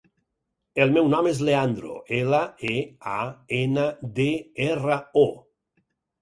El meu nom és Leandro: ela, e, a, ena, de, erra, o.